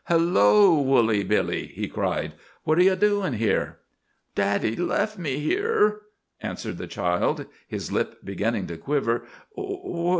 "Hullo, Woolly Billy!" he cried. "What are you doin' here?" "Daddy left me here," answered the child, his lip beginning to quiver.